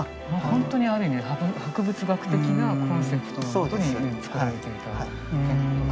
本当にある意味で博物学的なコンセプトのもとに作られていたと。